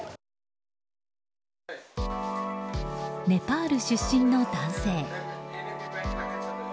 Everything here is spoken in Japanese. ネパール出身の男性。